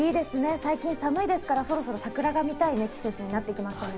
最近寒いですから、そろそろ桜が見たい季節になってきましたね。